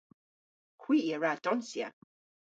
Hwi a wra donsya.